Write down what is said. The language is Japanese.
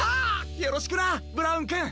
よろしくなブラウンくん！